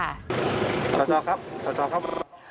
สาสอครับสาสอครับ